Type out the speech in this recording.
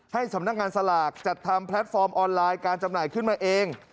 ให้สำนักงานสลากจัดทำแพลตฟอร์มออนไลน์การจำหน่ายขึ้นมาเอง